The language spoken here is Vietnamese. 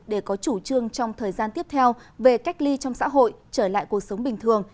để có chủ trương trong thời gian tiếp theo về cách ly trong xã hội trở lại cuộc sống bình thường